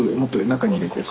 中に入れて。